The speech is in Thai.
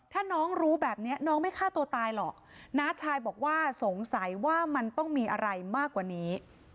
ถ้าน้องรู้แบบนี้น้องไม่ฆ่าตัวตายหรอกน้าชายบอกว่าสงสัยว่ามันต้องมีอะไรมากกว่านี้